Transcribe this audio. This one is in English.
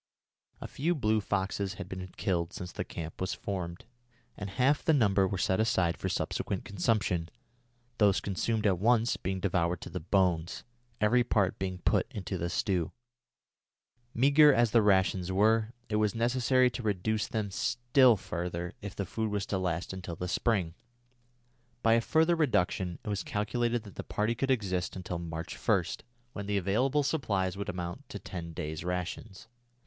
A few blue foxes had been killed since the camp was formed, and half the number were set aside for subsequent consumption, those consumed at once being devoured to the bones, every part being put into the stew. Meagre as the rations were, it was necessary to reduce them still further if the food was to last until the spring. By a further reduction it was calculated that the party could exist until March 1, when the available supplies would amount to ten days' rations.